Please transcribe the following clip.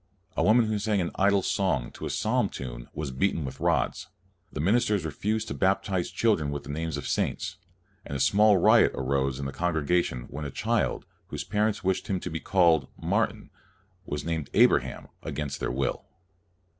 A woman who sang an idle song to a psalm tune was beaten with rods. The ministers refused to baptize children with the names of saints, and a small riot arose in the congregation when a child, whose parents wished him to be called " Mar tin ' was named " Abraham ' against their will.